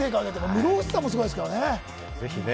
室伏さんもすごいですよね。